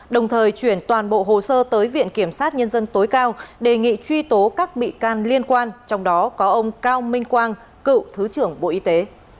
đồng thời chuyển toàn bộ hồ sơ tới viện kiểm sát nhân dân tối cao đề nghị truy tố các bị can liên quan trong đó có ông cao minh quang cựu thứ trưởng bộ y tế